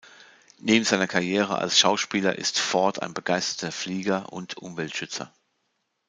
Neben seiner Karriere als Schauspieler ist Ford ein begeisterter Flieger und Umweltschützer.